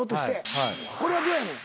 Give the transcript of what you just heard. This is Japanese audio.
これはどうやねん。